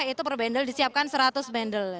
itu per bendel disiapkan seratus bendel